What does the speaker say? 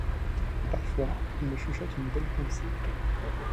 Parfois, il me chuchote une bonne pensée.